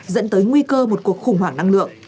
dẫn tới nguy cơ một cuộc khủng hoảng năng lượng